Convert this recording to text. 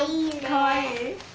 かわいい？